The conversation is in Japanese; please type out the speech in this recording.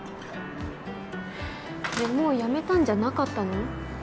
ねえもうやめたんじゃなかったの？